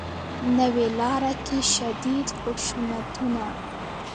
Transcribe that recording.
نوې لاره کې شدید خشونتونه